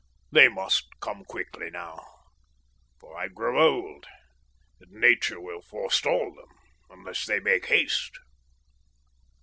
They must come quickly now, for I grow old, and Nature will forestall them unless they make haste.